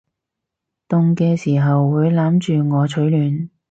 凍嘅時候會攬住我取暖